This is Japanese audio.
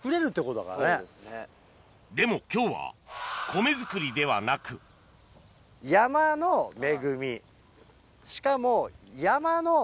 でも今日は米作りではなくしかも。